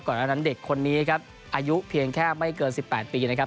อันนั้นเด็กคนนี้ครับอายุเพียงแค่ไม่เกิน๑๘ปีนะครับ